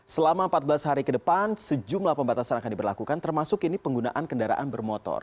selama empat belas hari ke depan sejumlah pembatasan akan diberlakukan termasuk ini penggunaan kendaraan bermotor